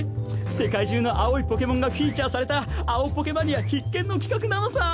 世界中の青いポケモンがフィーチャーされた青ポケマニア必見の企画なのさ。